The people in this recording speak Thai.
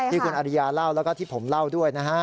ที่คุณอริยาเล่าแล้วก็ที่ผมเล่าด้วยนะฮะ